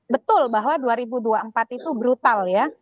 betul bahwa dua ribu dua puluh empat itu brutal ya